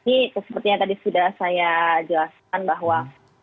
ini seperti yang tadi sudah saya jelaskan bahwa